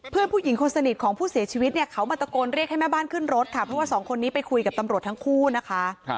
เพื่อนผู้หญิงคนสนิทของผู้เสียชีวิตเนี่ยเขามาตะโกนเรียกให้แม่บ้านขึ้นรถค่ะเพราะว่าสองคนนี้ไปคุยกับตำรวจทั้งคู่นะคะ